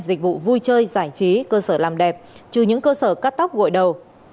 dịch vụ vui chơi giải trí cơ sở làm đẹp trừ những cơ sở cắt tóc gội đầu